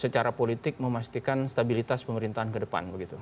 secara politik memastikan stabilitas pemerintahan kedepan begitu